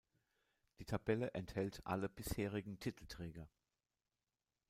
Die Tabelle enthält alle bisherigen Titelträger.